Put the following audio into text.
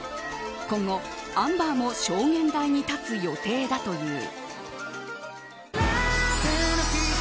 今後、アンバーも証言台に立つ予定だという。